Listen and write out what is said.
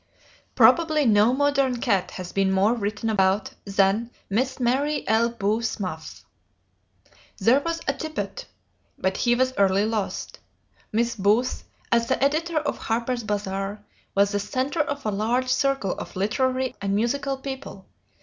Probably no modern cat has been more written about than Miss Mary L. Booth's Muff. There was a "Tippet," but he was early lost. Miss Booth, as the editor of Harper's Bazar, was the centre of a large circle of literary and musical people.